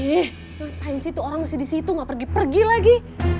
ih ngapain sih itu orang masih disitu gak pergi pergi lagi